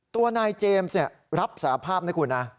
ตัวนายเจมส์รับสาภาพนะคุณนะ